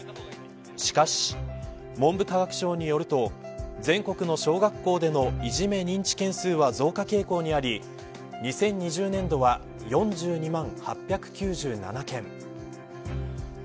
しかし、文部科学省によると全国の小学校でのいじめ認知件数は増加傾向にあり２０２０年度は４２万８９７件。